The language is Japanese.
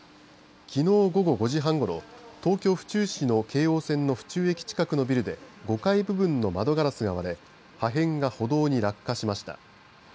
きのう午後５時半ごろ東京、府中市の京王線の府中駅近くのビルで５階部分の窓ガラスが割れ破片が歩道に落下しました。